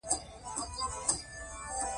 بوتل له رنګینو لیبلونو سره ښکاري.